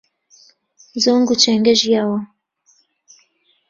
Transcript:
زۆنگ و چێنکە ژیاوە